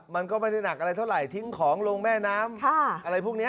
มันก็ไม่ได้หนักอะไรเท่าไหร่ทิ้งของลงแม่น้ำอะไรพวกนี้